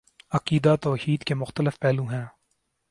عقیدہ توحید کے مختلف پہلو ہیں